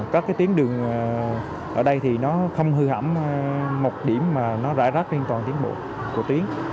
các tuyến đường ở đây thì nó không hư hãm một điểm mà nó rải rác liên toàn tuyến bộ của tuyến